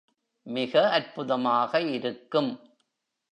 மிக அற்புதமாக இருக்கும்.